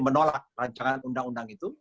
menolak rancangan undang undang itu